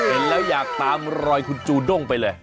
เห็นแล้วอยากตามรอยคุณจูด้งไปเลย